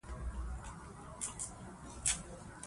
ستا غیبت مي تر هیڅ غوږه نه دی وړی